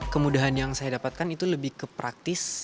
kemudahan yang saya dapatkan itu lebih kepraktis